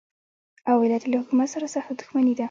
او علت یې له حکومت سره سخته دښمني ده.